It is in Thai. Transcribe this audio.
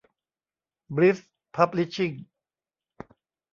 บลิส พับลิชชิ่ง